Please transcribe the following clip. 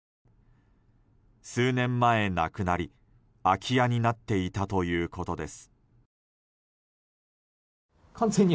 数年前、亡くなり空き家になっていたということです。